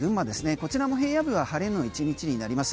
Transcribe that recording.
こちらも平野部は晴れの１日になります。